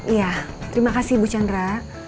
iya terima kasih ibu chandra